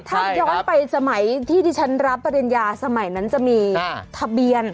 ถ้าย้อนไปสมัยที่ที่ฉันรับปริญญาสมัยนั้นจะมีทะเบียน